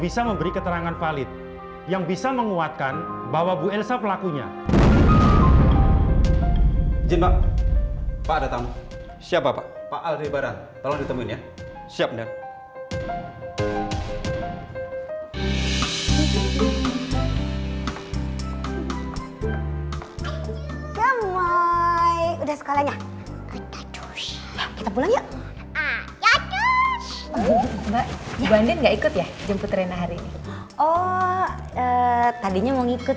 sampai jumpa di video selanjutnya